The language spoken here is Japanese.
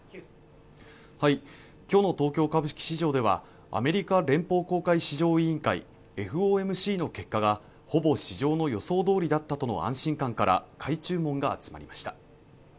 きょうの東京株式市場ではアメリカ連邦公開市場委員会＝ＦＯＭＣの結果がほぼ市場の予想通りだったとの安心感から買い注文が集まりました